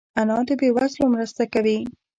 انا د بې وزلو مرسته کوي